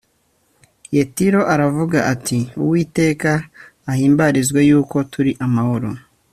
yetiro aravuga ati uwiteka ahimbarizwe yuko turi amahoro